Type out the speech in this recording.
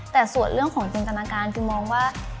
แต่ส่วนเรื่องของจริงจรรยาการฟิวมองว่า